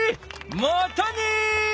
またね！